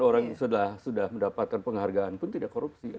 orang yang sudah mendapatkan penghargaan pun tidak korupsi